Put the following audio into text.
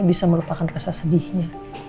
bisa melupakan rasa sedihnya